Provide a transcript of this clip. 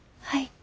はい。